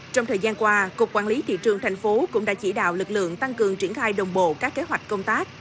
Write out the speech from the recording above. trong thời gian qua cục quản lý thị trường thành phố cũng đã chỉ đạo lực lượng tăng cường triển khai đồng bộ các kế hoạch công tác